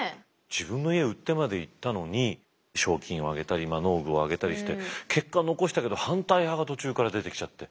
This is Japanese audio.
自分の家売ってまで行ったのに賞金をあげたり農具をあげたりして結果残したけど反対派が途中から出てきちゃって。